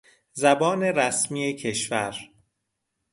زبان رسمی کشور